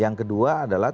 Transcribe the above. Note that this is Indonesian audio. yang kedua adalah